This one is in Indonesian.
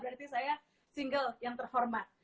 berarti saya single yang terhormat